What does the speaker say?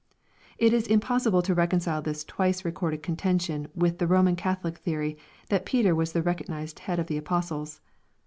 It is impossible to reconcile this twice recorded contention with the Roman Catholic theory, that Peter was the recognized head of the apostles.